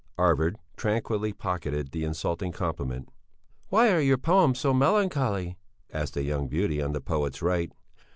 Arvid tranquilly pocketed the insulting compliment. "Why are your poems so melancholy?" asked a young beauty on the poet's right.